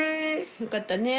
よかったね！